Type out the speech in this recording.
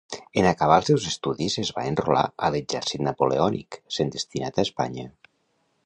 En acabar els seus estudis es va enrolar a l'exèrcit napoleònic, sent destinat a Espanya.